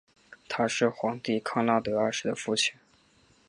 他是皇帝康拉德二世的父亲。